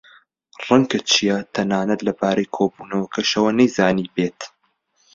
ڕەنگە چیا تەنانەت لەبارەی کۆبوونەوەکەشەوە نەیزانیبێت.